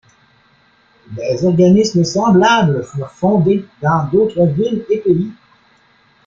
Des organismes semblables furent fondés dans d’autres villes et pays.